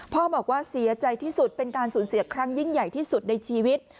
บอกว่าเสียใจที่สุดเป็นการสูญเสียครั้งยิ่งใหญ่ที่สุดในชีวิต